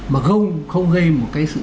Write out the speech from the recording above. mà không gây một cái sự